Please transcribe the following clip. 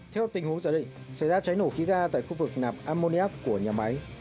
theo tình huống giả định xảy ra cháy nổ khí ga tại khu vực nạp ammoniap của nhà máy